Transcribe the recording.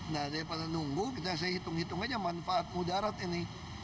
nah daripada nunggu kita saya hitung hitung aja manfaat mudarat ini